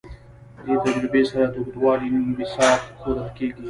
دې تجربې سره د اوږدوالي انبساط ښودل کیږي.